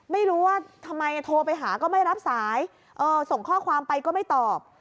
ไม่รู้ว่าทำไมโทรไปหาก็ไม่รับสายส่งข้อความไปก็ไม่ตอบ